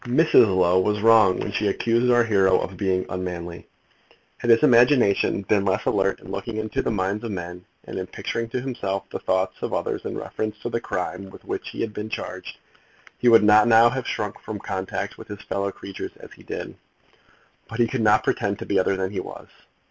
Mrs. Low was wrong when she accused our hero of being unmanly. Had his imagination been less alert in looking into the minds of men, and in picturing to himself the thoughts of others in reference to the crime with which he had been charged, he would not now have shrunk from contact with his fellow creatures as he did. But he could not pretend to be other than he was.